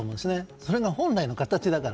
それが本来の形だから。